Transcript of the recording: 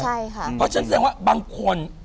เพราะฉะนั้นแสดงว่าบางคน